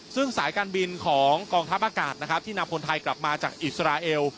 ซึ่งสายการบินของกองทัพอากาศนะครับที่นำคนไทยกลับมาจากอิสราเอล